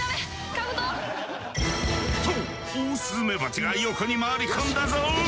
カブト！とオオスズメバチが横に回り込んだぞ！